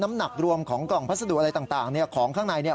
น้ำหนักรวมของกล่องพัสดุอะไรต่างของข้างใน